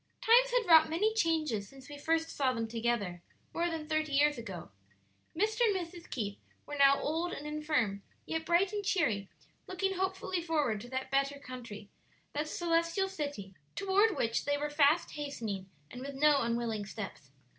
Time had wrought many changes since we first saw them together, more than thirty years ago. Mr. and Mrs. Keith were now old and infirm, yet bright and cheery, looking hopefully forward to that better country, that Celestial City, toward which they were fast hastening, and with no unwilling steps.